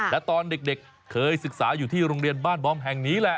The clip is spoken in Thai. และตอนเด็กเคยศึกษาอยู่ที่โรงเรียนบ้านบอมแห่งนี้แหละ